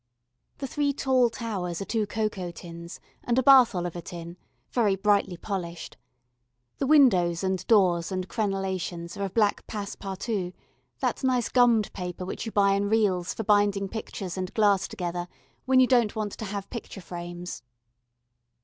The three tall towers are two cocoa tins and a Bath Oliver tin, very brightly polished; the windows and doors and crenellations are of black passe partout, that nice gummed paper which you buy in reels for binding pictures and glass together when you don't want to have picture frames.